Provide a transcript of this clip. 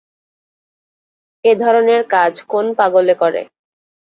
এ ধরনের কাজ কোন পাগলে করে?